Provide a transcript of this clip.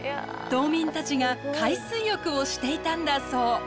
島民たちが海水浴をしていたんだそう。